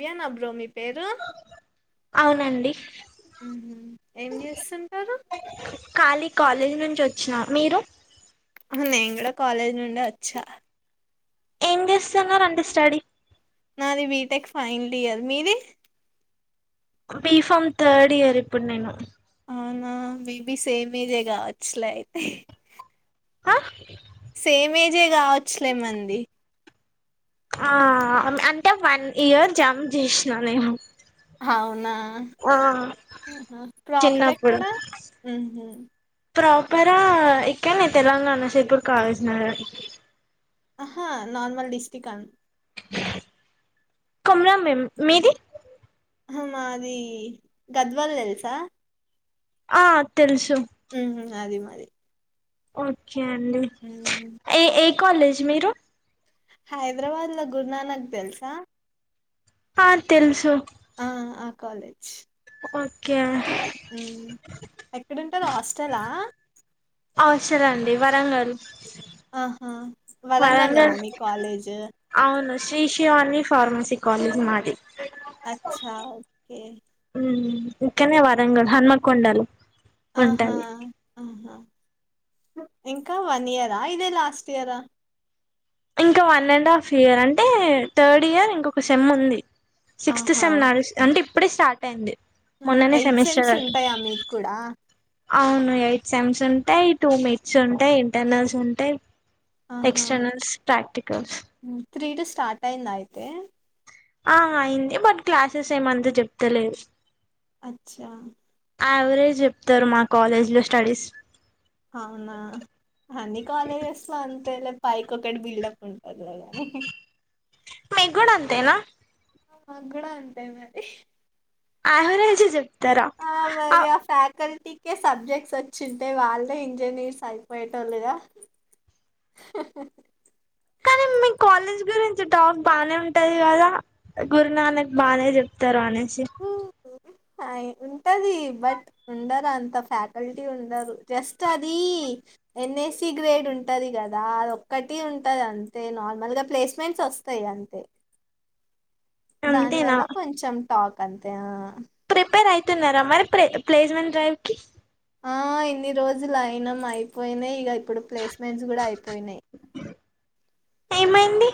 వేణా bro మీ పేరు. అవునండి ఉహు ఏం జేస్తుంటారు. కాలేజీ నుంచి వచ్చినా మీరు. నేను కూడా కాలేజ్ నుండే వచ్చా. ఏం చేస్తున్నారు అంటే స్టడీ. నాది బీటెక్ ఫైనల్ ఇయర్ మీది. భీ ఫామ్ తర్డ్ ఇయర్ ఇప్పుడు నేను. అవునా మేబి సేమ్ ఏజే కావచ్చులే అయితే. ఆహ్. సేమ్ ఏజే కావచ్చులే మనది. ఆమ్ అం అంటే వన్ ఇయర్ జంప్ జేష్ణ్ నేను. అవునా. ఆ ఆహా ప్రాపర్ చిన్నప్పుడు ఎక్కడా. ప్రాపరా ఇక్కన్నే తెలంగాణ సేపూర్ కాగజ్ నగర్. అహా నార్మల్ డిస్టక్ అను. కొమరంభీం మీది. ఆహ్ మాది గద్వాల్ తెల్సా. ఆహ్. ఆహ్ అది మా. ఓకే అండి ఉహు ఏ ఏ కాలేజ్ మీరు. హైద్రాబాద్ లో గురునానక్ దెల్సా. ఆహ్ తెల్సూ. ఆహ్ ఆ కాలేజ్. ఓకే. ఉమ్ ఎక్కడుంటారు హాస్టలా హాస్టలండి వరంగల్. ఆహా! వరంగల్‌లోనా వరంగల్ మీ కాలేజు? అవును శ్రీ శివాని. ఫార్మసి కాలేజ్ మాది. అచ్చా ఓకే. ఇక్కన్నే వరంగల్ హన్మకొండలో. ఆహ్ ఉంటది ఆహా. ఇంకా వన్ ఇయరా ఇదే లాస్ట్ ఇయరా. ఇంకా వన్ అండ్ హాఫ్ ఇయర్ అంటే థర్డ్ ఇయర్ ఇంకొక సెమ్ ఉంది. సిక్స్త్ సేమ్ నాది అంటే ఇప్పుడే స్టార్ట్ అయింది. ఆహ్ హ మొన్ననే ఎయిట్ సెమిస్టర్ సెమ్స్ అ ఉంటాయా మీకు కూడా. అవును ఎయిట్ సేమ్స్ ఉంటాయి టూ మిడ్స్ ఉంటాయి ఇంటర్నల్స్ ఉంటాయి. Externals practicals. Three the start అయిందా అయితే. ఆహ్ అయింది బట్ క్లాసెస్ ఏమంత చెప్తలేరు. అచ్చా. యావరేజ్ చెప్తారు మా కాలేజ్ లో స్టడీస్. అవునా అన్ని కాలేజెస్ లో అం. అంతేలే పైకి ఒకటి బిల్డప్ ఉంటదిలే గని హీహీ. మీకూడా అంతేనా. మాకూడా అంతే మరి హి. యావేరేజే చెప్. ఆహ్ మరి ఆ ఫ్యాకల్టీ. ల్టీకే సబ్జెక్ట్స్ వచ్చింటే వాళ్ళే ఇంజనీర్స్ అయిపోయేటోలుగా. హహ్హా. కానీ మీ కాలేజ్ గురించి టాక్ బానే ఉంటది కదా గురునానక్ బానే చెప్తారు అనేసి. ఆహ్ ఉంటది బట్ ఉండదు అంత ఫ్యాకల్టీ ఉండరు జస్ట్ అది. ఎన్ ఎ స్సి గ్రేడ్ ఉంటది కదా అది ఒక్కటి ఉంటది అంతే నార్మల్గా ప్లేస్మెంట్స్ వస్తాయి. ఇగంతే. దాని అంతేనా వల్ల కొంచెం టాక్ అంతే ఆహ్. ప్రిపేర్ అయితున్నారా మరి పే ప్లేసెమెంట్ డ్రైవ్ కి. ఆహ్ ఇన్ని రోజులు అయినం అయిపోయినాయి ఇగ ఇప్పుడు ప్లేస్మెంట్స్ కూడా అయిపోయినాయి. ఏమైంది.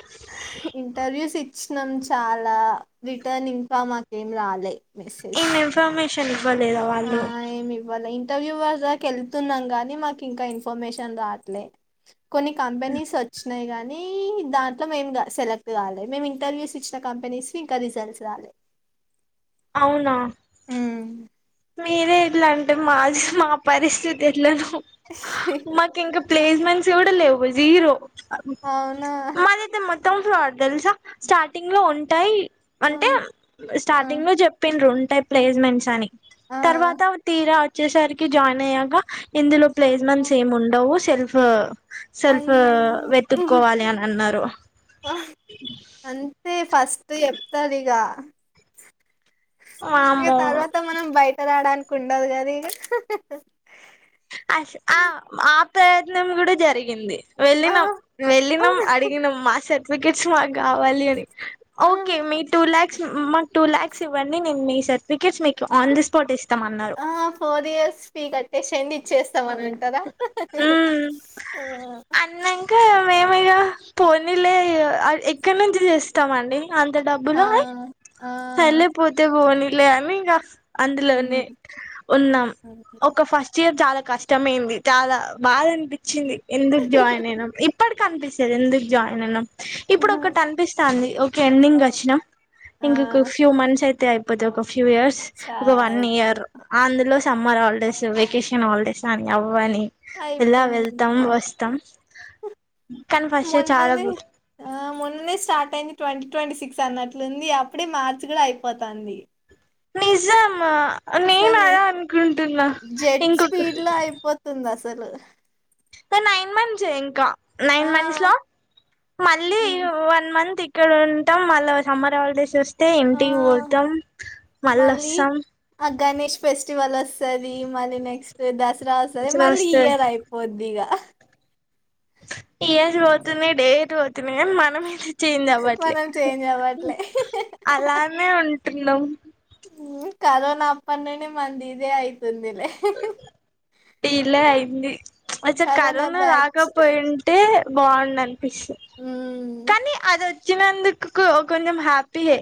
ఇంటర్వ్యూస్ ఇచ్చినాం చాలా రిటర్న్ ఇన్ఫోర్మ్ మాకేం రాలే. ఏం ఇన్ఫర్మేషన్. ఇవ్వలేదా వాళ్ళు ఆహ్ ఏం ఇవ్వాళే ఇన్. ఇంటర్వ్యూవర్ దాక వెలుతున్నాం గానీ మాకు ఇంకా ఇన్ఫర్మేషన్ రావట్లే. కొన్ని కంపెనీస్ వచ్చినాయి గానీ. ఈ దాంట్లో మేము గా సెలెక్ట్ కాలే మేము ఇంటర్వ్యూస్ ఇచ్చిన కంపెనీస్వి ఇంకా రిజల్ట్స్ రాలే. అవునా. మీరే ఇట్లా అంటే మాది మా పరిస్థితి ఎట్లానో మాకు ఇంకా ప్లేస్. ప్లేస్మెంట్స్ కూడా లేవు జీరో అవునా మాదైతే మొత్త్. మొత్తం ఫ్రాడ్ తెల్సా స్టార్టింగ్ లో ఉంటాయి. ఆ అంటే ఆ స్టార్టింగ్ లో చెప్పిండ్రు ఉంటాయి ప్లేస్మెంట్స్ అని. ఆ తర్వాత తీరా వచ్చేసరికి జాయిన్ అయ్యాక ఇందులో. ఆ ప్లేస్మెంట్స్ ఏమి ఉండవు సెల్ఫ్. సెల్ఫ్ అయ్యో వెతుక్కకోవాలి అని అన్నారు. ఫస్టే ఫస్ట్ చెప్తారు ఇగ. ఇగ వామ్మో తరువాత మనం బైటకు రావడానికి ఉండదు గదా. మనం కూడా జరిగింది ఆ వెళ్ళినాం వెళ్ళినాం అడిగినాం మాస్టర్. ఫికెట్స్ మాకు కావాలి అని ఓకే మీ టూ ల్యాక్స్. మాకు టూ ల్యాక్స్ ఇవ్వండి నేను మీ సర్టిఫికెట్స్ మీకు ఆన్ ది స్పాట్ ఇస్తా. ఆహ్ ఫోర్ ఇయర్స్ ఫీ కాటేశేయండి ఇచ్చేస్. ఇస్తాము అని అంటారా హాహా. మేము ఇగ పోనీలే ఇగ ఆహ్ ఎక్కడి నుంచి తేస్తామండి. అంత ఆ డబ్బులు ఆయ్ ఆ సర్లేపోతే పోనీలే అని ఇగ. అందులోనే ఉన్నాం ఒక ఫస్ట్ ఇయర్ చాలా కష్టమేమ్. చాలా బాధ అనిపించింది ఎందుకు జాయిన్ అయినాం ఇప్పటికి అన్పిస్తది ఎందుకు జాయిన్ అయినాం. ఇప్పుడు ఆ ఒకటి అన్పిస్తాంది ఓకే ఎండింగ్ వచ్చినాం ఇంకొక్క ఆ ఫ్యూ మంత్స్ అయితే. అంతె అయిపోతది ఒక ఫ్యూవ్ ఇయర్స్ చా ఒక వన్ ఇయర్ అందులో. సమ్మర్ హాల్డేస్ వెకేషన్ హాల్డేస్ అని అవ్వని ఇలా అయిపోయింది వెళ్తాం వస్తాం. కానీ ఫస్ట్ ఇయర్ చాలా మొన్ననే ఆహ్ మొన్ననే స్టార్ట్ అయింది ట్వంటీ ట్వంటీ సిక్స్. ఉమ్ అన్నట్లుంది అప్పుడే మార్చి గూడా అయిపోతంది. నిజమా నేను అదే అన్కుంటున్నా ఇంకొక. తలు. కానీ నైన్ మంత్స్ ఏ ఇంకా ఆ నైన్ మంత్స్ లో మళ్ళీ ఉమ్, వన్ మంత్ ఇక్. ఇక్కడ ఉంటాం మళ్ళా సమ్మర్ హాలిడేస్ ఓస్తె. తే ఆ ఇంటికి వోతాం మళ్ళీ మల్లోస్తాం. ఆ గణేష్ ఫెస్టివల్ ఓస్సాది మళ్ళీ నెక్స్ట్ దసర. రా ఒస్సాది ఇట్లా మళ్ళీ ఈ వస్తది ఈయర్ అయిపోద్ది ఇగ. ఇయర్స్ ఓతున్నాయి డేట్ పోతున్నాయి గని మనం ఐతే. చేంజ్ అవ్వట్లే మనం చేంజ్ అవ్వట్లే అలానే ఉంటున్నాం. కరోనా అప్పటి నుండి మనది ఇదే ఐతుంది. డీలే అయింది అచ్చ కరోనా రాకపోయింటే. బావుండేనిపిస్తుంది ఉమ్ కానీ అది వచ్చినందుకు క్ కొంజెం హ్యాపీయే.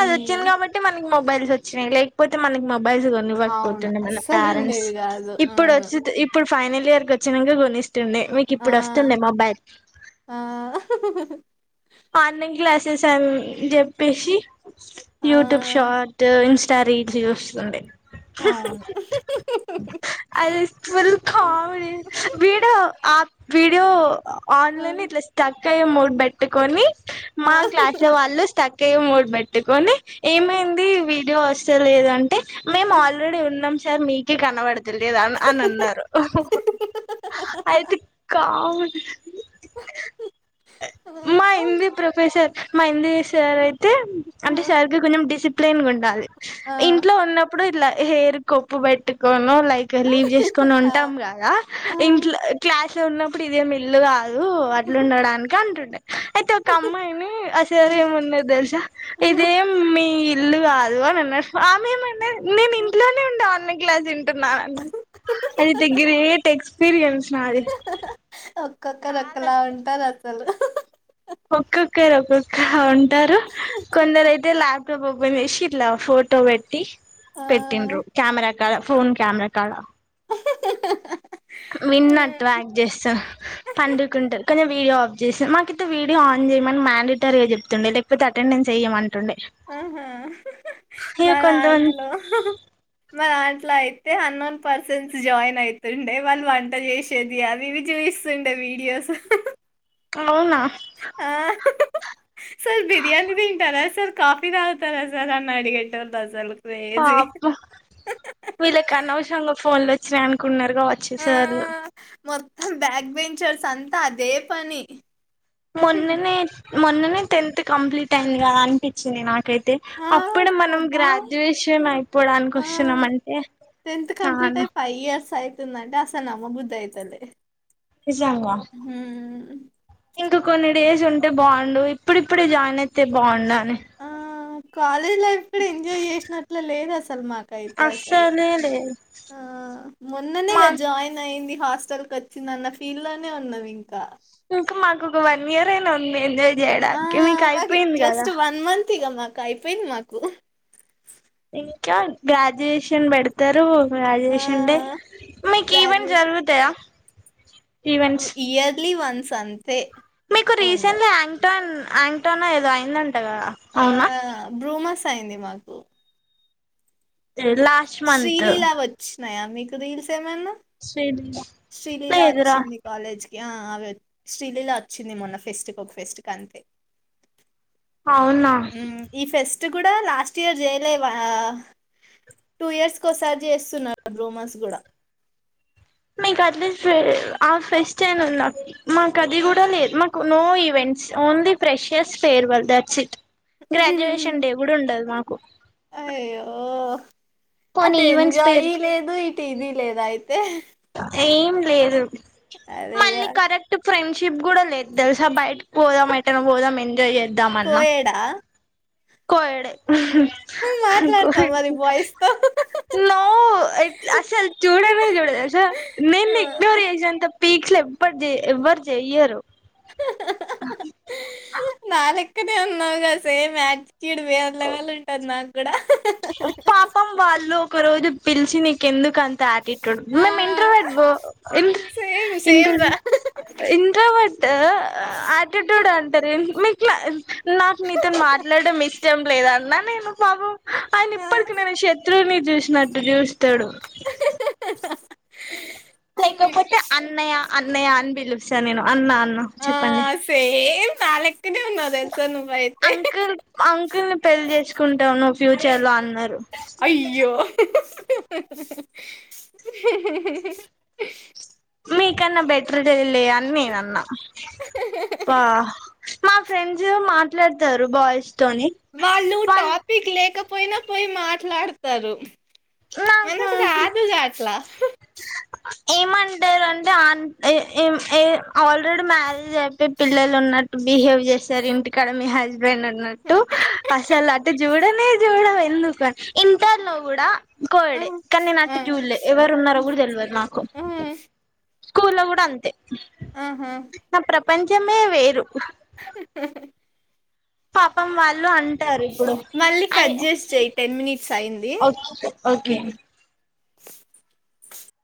అది ఓచ్చింది గాబట్టే మనకి మొబైల్స్ ఓచ్చినాయి లేకపోతే మనకి మొబైల్స్ అవును గొన్నివ్వకపోతుండే మనం. అస్సలు పేరెంట్స్ ఉండేవి కాదు ఆ ఇప్పుడు ఓచ్చిత్ ఇప్పుడు ఫైనల్ ఇయర్ కోచ్చినాంక గోనిస్త. టుండే మిక్ ఆ ఇప్పుడు ఓస్తుండే మొబైల్. ఆ ఆన్లైన్ క్లాసెస్ అన్ జేప్పేసి ఆ యూట్యూబ్ షర్టు ఇన్స్. ఆహ్ రీల్స్ చూస్తుండే. అవును అది ఫుల్ కామిడీ వీడియో అప్. వీడియో ఆన్ ఆ ఆ లనే ఇట్లా స్టక్ అయ్యే మోడ్ బేట్టుకొని. మా క్లాసుల్లో వాళ్ళు స్టక్. కే మూడు బేట్టుకొని ఆ ఏమైంది వీడియో వస్తాలేదు ఆన్. టే మేమ్ ఆల్రెడీ ఉన్నాం సార్ మీకే కనబడ. త్ లేద్ ఆన్ అని అన్నారు అయితే ఆహ్ కామెడీ. ఆ మా హిందీ ప్రొఫెసర్ మా హింది సార్ అయితే అంటే సార్కి కొంజెం డిస్ప్లేన్ గా ఉండాలి. ఇంట్లో ఉన్నప్పుడు ఇట్లా హెయిర్ కొప్పు పెట్టుకోని. లైక్ లీవ్ జేస్కొని ఉంటాం గదా ఆ, ఆ. ఇంట్ల క్లాస్ల ఉన్నప్పుడు ఇదేం ఇల్లు గాదు. కాదు అట్లుండడానికి అంటుండే. ఐతే ఒక అమ్మాయిని అ సర్ ఏమన్నాడు దెల్స ఇదేం మీ. ఇల్లు గాదు అని అన్నాడు ఆమెమన్నాది నేను ఇంట్లోనే ఉండా అన్నది. క్లాస్ వింటున్నా అయితే గ్రేట్ ఎక్స్పీరియన్స్ నాది. ఒక్కొక్కరు చాలా ఓక్కలా ఉంటారు అసలు. ఒక్కొక్కరు ఒక్కొక్కల ఉంటారు కొందరైయితే లాబ్. లాప్టాప్ ఓపెన్ జేషి ఇట్లా ఫోటో వేట్టి ఆ పెట్టిండ్రు కెమెరా. ఫోన్ కెమెరా కాడ. విన్నట్రక్ జేస్త పండుకుంటారు కానీ వీడియో ఆఫ్ చేస్తారు మాకైతే వీడియో ఆన్. ఆన్జేమన్ మాండేటర్గా జేప్తుండే లెక్పోతే అటెండెస్ ఎయ్యమని. ఆహా ఇక కొంతమంది మదంట్లో మాదంట్. ట్లా అయితే అన్నోన్ పర్సెంట్స్ జాయిన్ అయితుండే వాళ్ళు వంట జేషేది అవివి చూపిస్తుండేవి వీడియోస్ అవునా ఆ సర్ బిర్యాని దింటరా సర్ కాఫీ తాగుతారు సార్ అన్ అడిగేటోళ్ళు అస్సలు పాపం వీళ్ళకానాశర్నగా ఫోన్ లో చై అనుకున్నారుగవచ్చు ఆ సార్లు మొత్తం బ్యాక్ బెంచర్స్ అంతా అదే పని. మొన్ననే మొన్ననే టెన్త్ కంప్లీటైదిగదనిపించింది నాకైతే. ఆ అప్పుడే మనం కదా గ్రాడ్యుయేషన్ అయిపోవడానికి ఆ ఓస్తున్నామంటే. టెన్త్ కంప్లీటై ఫైవ్ ఇయ. దంటే అసలు నమ్మ బుద్ద్దేయతలే. నిజంగా. ఇంకా కొన్ని డేస్ ఉంటే బాగుండు ఇప్పుడిప్పుడే జాయిన్ అయితే బాగుండని ఆ కాలేజ్ లైఫ్ కూడా ఎంజాయ్ చేసినట్లు లేదసాల్మకు అయితే అసలు అస్సలే లేదు మొన్ననే మా గా జాయినైంది హాస్టల్ కోచ్చిందన్న ఫీల్లోనే ఉన్నావింకా ఇంకా మాకు ఒక వనియర్ అయినా ఉంది ఎంజాయ్ ఆ చేయడానికి మరి మీకైపోయింది కదా జస్ట్ వన్ మంత్ ఇక మాకు అయిపోయింది మాకు ఇంకా గ్రాజ్యుయేషన్ బెడ్తారు ఆ గ్రాజుయేషన్ డే మీకేవెంట్స్ గ్రాడ్యుయేషన్ జరుగుతయా ఇయర్లీ వన్స్ అం మీకు రీసెంట్లీ ఎంగ్టన్ ఎంగ్టేనా ఏదో అయిందంట కదా ఆ ఔనా బ్రూమస్ అయింది మాకు లాస్ట్ మంత్ శ్రీలీలా వోచ్చినాయా మీకు రీల్సేమైనా శ్రీలిలా శ్రీలీలా ఓచ్చింది కాలేజ్ యః అవే శ్రీలీలా ఓచ్చింది మొన్న ఫెస్టిక్ ఒక ఫెస్టికంతే అవునా ఈ ఫెస్ట్ కూడా లాస్టీయర్ చేయలేవా టూ ఇయర్స్కోసారి చేస్తున్నారు రూమర్స్ కూడా మీకట్లీస్ట్ ఆ ఫెస్ట్ అన్న్ ఉన్నా మాకది ఆ కూడా లేదు మాకు నో ఈవెంట్స్ ఓన్లీ ఫెషస్ farewell that's it graduation day కూడా ఉండదు మాకు అయ్యో పోనీ ఈవెంట్స్ అటెంజాయ్ పేరు లేదు ఇటిది లేదైతే ఏం లేదు అదేగా మళ్ళీ కరెక్ట్ ఫ్రెండ్షిప్ కూడా లేదు తెల్సా బయటకుపోదాం ఎటనే పోదాం ఎంజాయ్ చేయ కోయేడా కోయేడే మాట్లాడతాం మరి కోయేడే బాయ్స్ తో నో అసల్ చుడనే జూడ తెల్సా నేనిగ్నోర్జేషేంత పీక్స్లు ఎవ్వర్జెయ్యారు నాలేక్కనే ఉన్నావుగా సేమ్ యాస్ తిడువే లావాళ్ళా ఉంటారు నాకు కూడా పాపం వాళ్ళు ఒక రోజు పిల్చి నీకెందుకు కంత ఆటిట్యూడ్ ఆ మేం ఇంట్రవర్ట్ బో సేమ్ సేమ్ ఇంటర్ రా ఇంట్రవర్ట్ ఆటిట్యూడ్ అ మీకు నాకు నీతో మాట్లాడడం ఇష్టం లేదన్నా నేను పాపం ఆయన ఇప్పటికి నన్ను శత్రువుని చూసినట్టు చూస్తాడు ఆహ్ లేకపోతే అన్నయ్య అన్నయ్య అని పిలుస్తా నేను అన్నా అన్న ఆ చెప్పండి సేమ్ నా లెక్కనే ఉన్నావు తెలుసా నువ్వైతే అంకుల్ అంకుల్ని పెళ్లి జేస్కుంటావు నువ్ ఫ్యూచర్లో అన్నర్ అయ్యో! మీకన్నా బెటర్దేలే అన్ నేనన్నా పా మా ఫ్రెండ్స్ మాట్లాడ్తారు బాయ్స్ తోని వాళ్ళు టాపిక్ లేకపోయిన పోయి మాట్లాడ్తారు. నాకు మనకు రాదులే అట్లా ఏమంటరు అంటే ఆన్ ఎ ఎమ్ ఎమ్ ఆల్రెడీ మ్యారేజ్ అయిపోయ్ పిల్లలు ఉన్న బిహేవ్ చేస్తరు ఇంటి కాడ మీ హస్ స్బెండ్ అన్నట్టు అసలు అటు జూడనే జూడవ్ ఎందుకు ఇంటర్లో గూడా ఆ కోడే కానీ నెను ఆ అటు జూళ్ళే ఎవరున్నరో గూడా తెల్వదు నాకు ఆ స్కూల్లో గుడా అంతె ఆహా నా ప్రపంచమే వేరు పాపం వాళ్ళు అన్ టారిప్పుడు మళ్ళీ కట్ చేసి చెయి టెన్ మినిట్స్ అయింది ఓక్ ఒకే. ఉమ్.